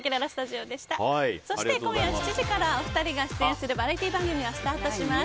そして今夜７時からお二人が出演するバラエティー番組がスタートします。